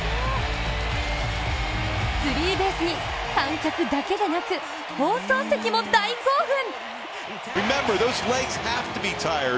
スリーベースに観客だけでなく放送席も大興奮。